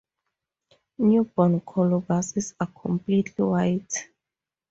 Newborn colobuses are completely white.